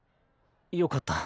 よかった。